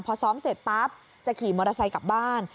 พอซ้อมเสร็จปั๊บจะขี่มอเตอร์ไซค์กลับบ้าน